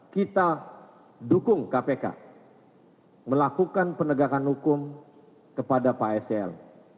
kita harus semua dukung kpk melakukan pendegakan hukum kepada pak sel